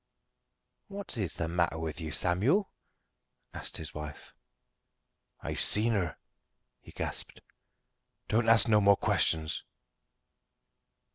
"What is the matter with you, Samuel?" asked his wife. "I've seen her," he gasped. "Don't ask no more questions."